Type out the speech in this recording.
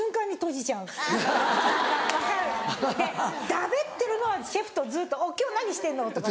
だべってるのはシェフとずっと「おっ今日何してんの？」とか。